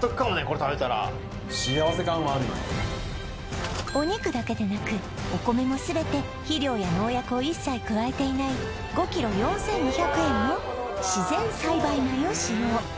これ食べたらお肉だけでなくお米も全て肥料や農薬を一切加えていない５ｋｇ４２００円の自然栽培米を使用